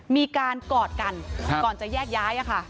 มีการกอดกันก่อนจะแยกย้ายค่ะ